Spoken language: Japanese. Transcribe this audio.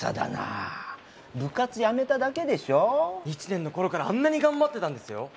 １年の頃からあんなに頑張ってたんですよ！？